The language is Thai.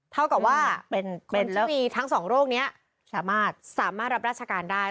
เท่ากับว่ามีทั้งสองโรคนี้สามารถรับราชการได้